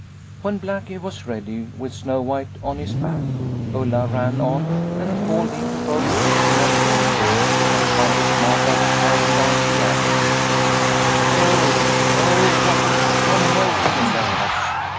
" When Blackie was ready with Snow White on his back, Ulla ran on and called into both kitchen and drawing room that Countess Marta was riding down the Avenue. " Oh, oh, what a commotion there was